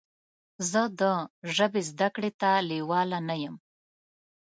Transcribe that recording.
زه د ژبې زده کړې ته لیواله نه یم.